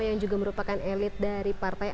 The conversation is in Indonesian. yang juga merupakan elit dari partai